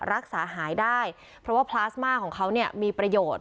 รักษาหายได้เพราะว่าพลาสมาของเขาเนี่ยมีประโยชน์